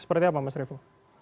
seperti apa mas revo